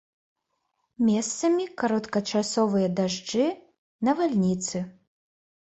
Месцамі кароткачасовыя дажджы, навальніцы.